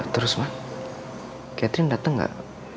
terus ma catherine dateng gak